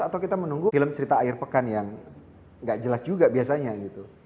atau kita menunggu film cerita air pekan yang gak jelas juga biasanya gitu